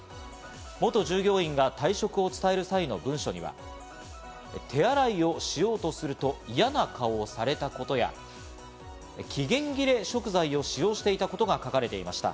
元従業員が退職を伝える際の文書には、手洗いをしようとすると、嫌な顔をされたことや、期限切れ食材を使用していたことが書かれていました。